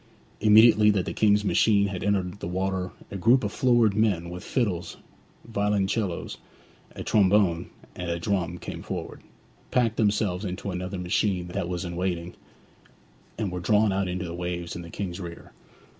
Immediately that the King's machine had entered the water a group of florid men with fiddles, violoncellos, a trombone, and a drum, came forward, packed themselves into another machine that was in waiting, and were drawn out into the waves in the King's rear.